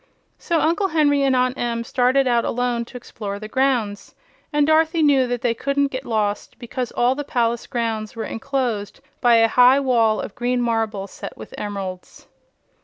So Uncle Henry and Aunt Em started out alone to explore the grounds, and Dorothy knew that they couldn't get lost, because all the palace grounds were enclosed by a high wall of green marble set with emeralds.